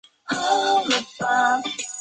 卡萨尼亚人口变化图示